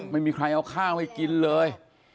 ไม่มีใครเอาข้าวให้กินเลย